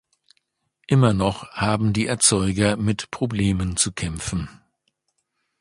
Immer noch haben die Erzeuger mit Problemen zu kämpfen.